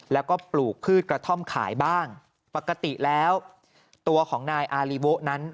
แล้วก็ปลูกพืชกระท่อมขายบ้างปกติแล้วตัวของนายอารีโวะนั้น